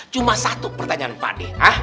cuma satu pertanyaan pakdeh